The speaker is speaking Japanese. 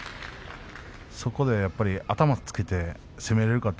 そこで頭をつけて攻められるか